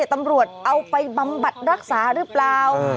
ตำรวจเอาไปบำบัดรักษาหรือเปล่า